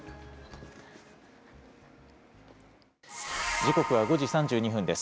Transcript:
時刻は５時３２分です。